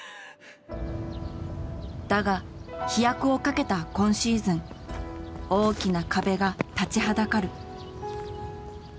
だが飛躍をかけた今シーズン大きな壁が立ちはだかる。